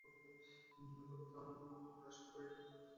তবে তাঁর বোন রেশমা ভাইয়ের মৃত্যুর কারণ রহস্যজনক বলে দাবি করেন।